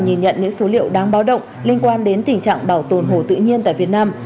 nhìn nhận những số liệu đáng báo động liên quan đến tình trạng bảo tồn hồ tự nhiên tại việt nam